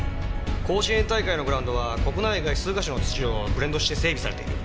甲子園大会のグラウンドは国内外数か所の土をブレンドして整備されている。